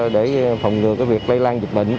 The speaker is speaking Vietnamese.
để phòng ngừa việc lây lan dịch bệnh